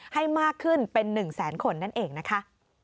ให้มากขึ้นเป็น๑แสนคนนั่นเองนะคะ